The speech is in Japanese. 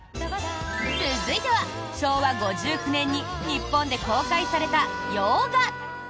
続いては、昭和５９年に日本で公開された洋画。